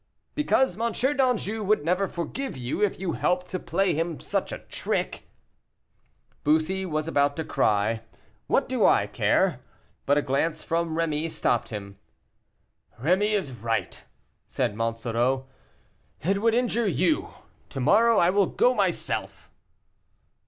"Because M. d'Anjou would never forgive you if you helped to play him such a trick." Bussy was about to cry, "What do I care?" but a glance from Rémy stopped him. "Rémy is right," said Monsoreau, "it would injure you; to morrow I will go myself."